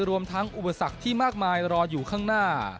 รวมทั้งอุปสรรคที่มากมายรออยู่ข้างหน้า